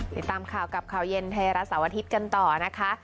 ติดตามข่าวกับข่าวเย็นไทยรัฐเสาร์อาทิตย์กันต่อนะคะ